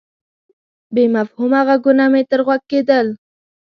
بې مفهومه ږغونه مې تر غوږ کېدل.